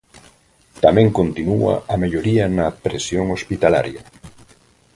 Tamén continúa a melloría na presión hospitalaria.